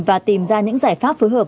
và tìm ra những giải pháp phối hợp